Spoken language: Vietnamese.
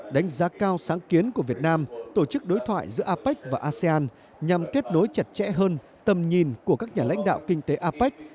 đánh giá cao sáng kiến của việt nam tổ chức đối thoại giữa apec và asean nhằm kết nối chặt chẽ hơn tầm nhìn của các nhà lãnh đạo kinh tế apec